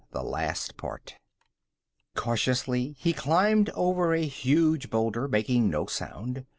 They were laying a trap. Cautiously, he climbed over a huge boulder, making no sound.